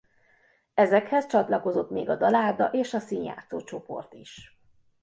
Ezekhez csatlakozott még a dalárda és a színjátszó csoport is.